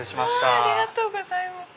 ありがとうございます。